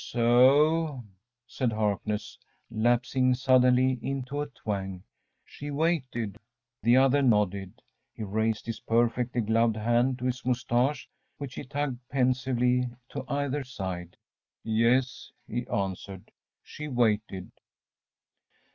‚ÄúSo,‚ÄĚ said Harkness, lapsing suddenly into a twang, “she waited.‚ÄĚ The other nodded. He raised his perfectly gloved hand to his moustache, which he tugged pensively to either side. ‚ÄúYes,‚ÄĚ he answered; “she waited.